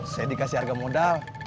saya dikasih harga modal